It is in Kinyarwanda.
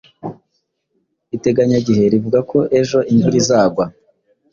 Iteganyagihe rivuga ko ejo imvura izagwa.